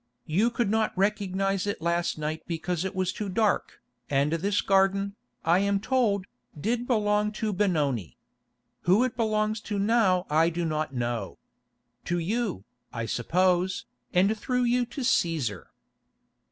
You could not recognise it last night because it was too dark, and this garden, I am told, did belong to Benoni. Who it belongs to now I do not know. To you, I suppose, and through you to Cæsar."